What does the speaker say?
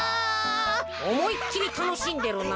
おもいっきりたのしんでるな。